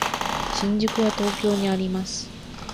新宿は東京にあります。